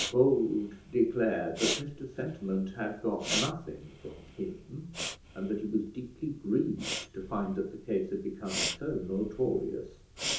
Bold declared that Mr Sentiment had got nothing from him, and that he was deeply grieved to find that the case had become so notorious.